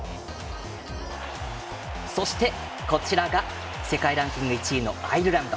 そして、こちらが世界ランキング１位のアイルランド。